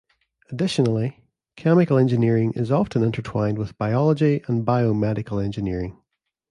Additionally, chemical engineering is often intertwined with biology and biomedical engineering.